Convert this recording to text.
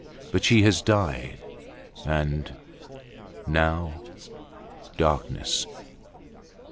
But she has died, and ... now ... darkness.